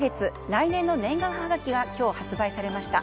来年の年賀はがきがきょう発売されました。